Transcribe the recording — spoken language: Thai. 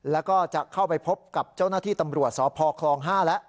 แล้วก็จะเข้าไปพบกับเจ้าหน้าที่ตำรวจสพคลอง๕แล้ว